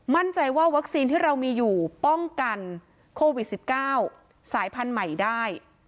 มั่นใจว่าวัคซีนที่เรามีอยู่ป้องกันโควิด๑๙สายพันธุ์ใหม่ได้